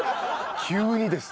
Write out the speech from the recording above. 急にです。